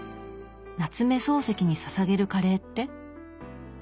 夏目漱石に捧げるカレーって？